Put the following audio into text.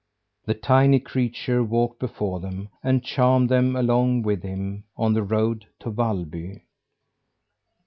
The tiny creature walked before them and charmed them along with him, on the road to Vallby.